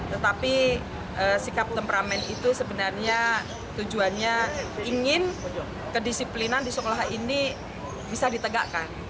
tetapi sikap temperamen itu sebenarnya tujuannya ingin kedisiplinan di sekolah ini bisa ditegakkan